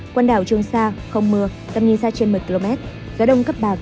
quần đảo trung sa không mưa tầm nhìn xa trên một mươi km gió đông cấp ba bốn